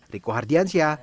riku hardian syed